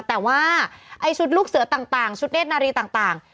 แต่ว่าไอ้ชุดลูกเสือต่างชุดเนธนารีต่าง